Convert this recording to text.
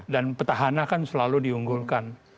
dan petahana kan selalu diunggulkan